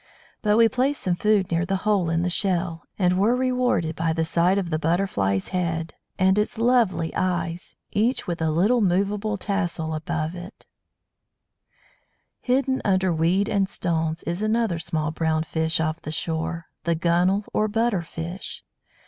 But we placed some food near the hole in the shell, and were rewarded by the sight of the Butterfly's head, and its lovely eyes, each with a little movable tassel above it." [Illustration: A SMOOTH BLENNY] Hidden under weed and stones is another small brownish fish of the shore, the Gunnell or Butter fish.